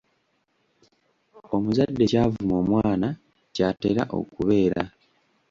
Omuzadde ky'avuma omwana ky'atera okubeera.